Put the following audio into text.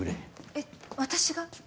えっ私が？